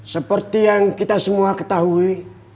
seperti yang kita semua ketahui